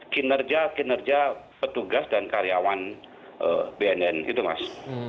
kinerja kinerja petugas dan karyawan bnn itu mas